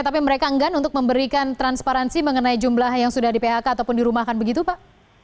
tapi mereka enggan untuk memberikan transparansi mengenai jumlah yang sudah di phk ataupun dirumahkan begitu pak